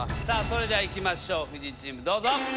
さあそれではいきましょうふじチームどうぞ。